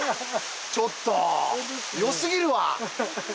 ちょっとよすぎるわ。